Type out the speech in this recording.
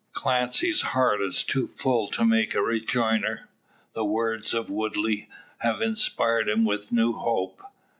Clancy's heart is too full to make rejoinder. The words of Woodley have inspired him with new hope.